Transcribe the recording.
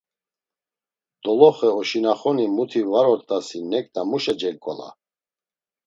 Doloxe oşinaxoni muti var ort̆asi neǩna muşa cemǩola?